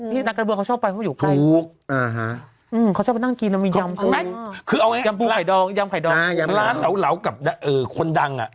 ที่นักระบวนเขาชอบไปว่าอยู่ใกล้